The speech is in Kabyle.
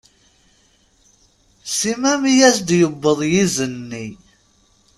Sima mi as-d-yewweḍ yizen-nni.